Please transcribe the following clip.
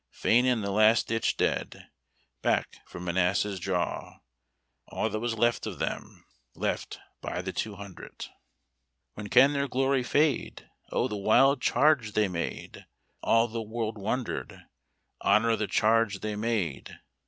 Fain in the last ditch dead, Back from an ass's jaw All that was left of them, —' Left by the two hundred. THE ARMY MULE. 297 When can their glory fade? Oh, the wild charge they made! All the world wondered. Honor the charge they made